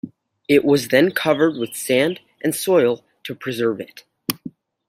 It was then covered with sand and soil to preserve it.